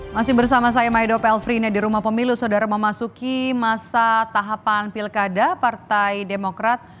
masih bersama saya maido pelfrina di rumah pemilu saudara memasuki masa tahapan pilkada partai demokrat